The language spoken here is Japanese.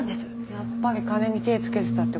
やっぱり金に手ぇつけてたって事か。